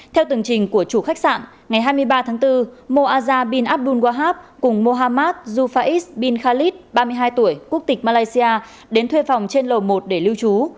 theo tường trình của chủ khách sạn ngày hai mươi ba tháng bốn moazah bin abdul wahab cùng mohamad zufaiz bin khalid ba mươi hai tuổi quốc tịch malaysia đến thuê phòng trên lầu một để lưu trú